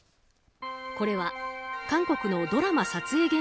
これは韓国のドラマ撮影